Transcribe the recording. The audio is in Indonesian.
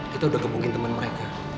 kita udah kebukin temen mereka